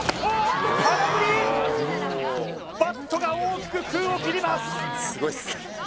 バットが大きく空を切ります